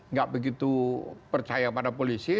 nggak begitu percaya pada polisi